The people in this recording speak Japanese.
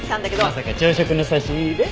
まさか朝食の差し入れ？